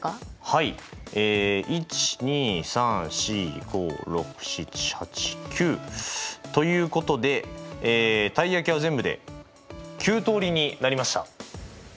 はいえ１２３４５６７８９。ということでたい焼きは全部で９通りになりました。